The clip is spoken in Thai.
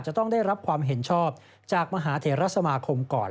จะต้องได้รับความเห็นชอบจากมหาเทราสมาคมก่อน